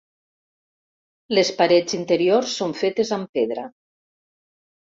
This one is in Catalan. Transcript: Les parets interiors són fetes amb pedra.